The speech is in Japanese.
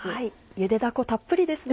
ゆでだこたっぷりですね。